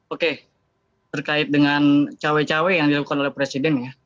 oke terkait dengan cawe cawe yang dilakukan oleh presiden ya